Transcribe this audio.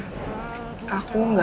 aku gak akan ganggu kamu